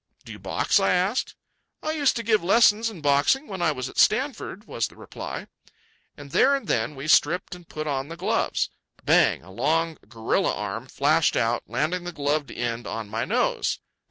"Do you box?" I asked. "I used to give lessons in boxing when I was at Stanford," was the reply. And there and then we stripped and put on the gloves. Bang! a long, gorilla arm flashed out, landing the gloved end on my nose.